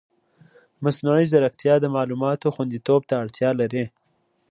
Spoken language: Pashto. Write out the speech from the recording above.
مصنوعي ځیرکتیا د معلوماتو خوندیتوب ته اړتیا لري.